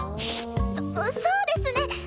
そそうですね！